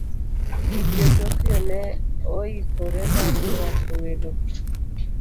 Jo - Tokyo ne oikore mar rwako welo ka